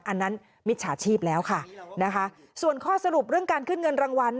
อันนั้นมิจฉาชีพแล้วค่ะนะคะส่วนข้อสรุปเรื่องการขึ้นเงินรางวัล